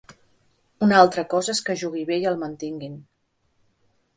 Una altra cosa és que jugui bé i el mantinguin.